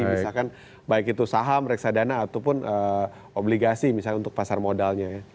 misalkan baik itu saham reksadana ataupun obligasi misalnya untuk pasar modalnya ya